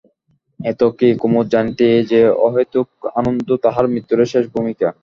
এত কি কুমুদ জানিত যে এই অহেতুকি আনন্দ তাহার মৃত্যুরই শেষ ভূমিকা?